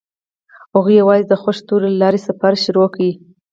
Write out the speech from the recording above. هغوی یوځای د خوښ ستوري له لارې سفر پیل کړ.